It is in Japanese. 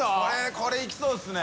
これ行きそうですね。